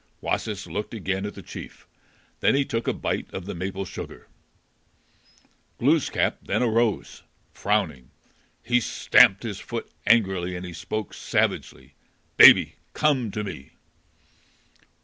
Wasis looked again at the chief. Then he took a bite of the maple sugar. Glooskap then arose, frowning; he stamped his foot angrily, and he spoke savagely. "Baby, come to me."